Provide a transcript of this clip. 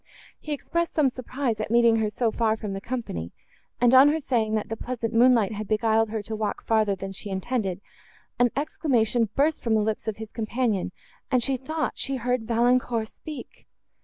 He expressed some surprise at meeting her so far from the company; and, on her saying, that the pleasant moonlight had beguiled her to walk farther than she intended, an exclamation burst from the lips of his companion, and she thought she heard Valancourt speak!